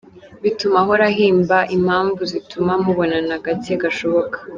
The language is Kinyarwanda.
Bituma ahora ahimba impamvu zituma mubonana gake gashoboka.